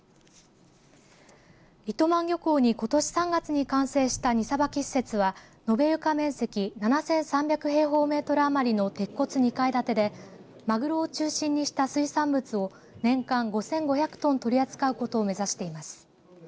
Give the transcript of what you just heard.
糸満漁港に、ことし３月に完成した荷さばき施設は延べ床面積７３００平方メートル余りの鉄骨２階建てでまぐろ中心にした水産物を年間５５００トン取り扱うことを目指しています。